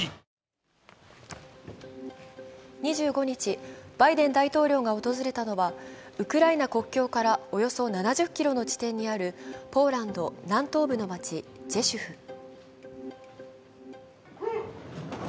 ２５日、バイデン大統領が訪れたのはウクライナ国境からおよそ７０ｋｍの地点にあるポーランド南東部の町ジェシュフ。